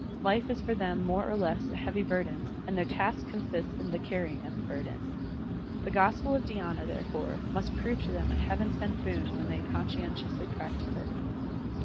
Life is for them more or less a heavy burden and their task consists in the carrying of the burden. The gospel of dhySna, therefore, must prove to them a heaven sent boon when they conscientiously practise it.